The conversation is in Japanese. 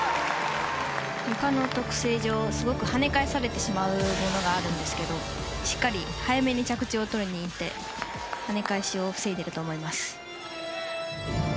ゆかの特性上すごく、はね返されてしまうんですがしっかり早めに着地をとりにいってはね返しを防いでいると思います。